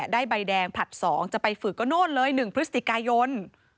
ใบแดงผลัด๒จะไปฝึกก็โน่นเลย๑พฤศจิกายน